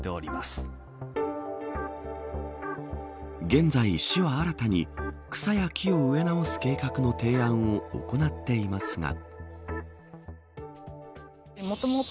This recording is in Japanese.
現在、市は新たに草や木を植え直す計画の提案を行っていますが。